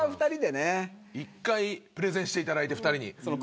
１回プレゼンしていただいて２人に。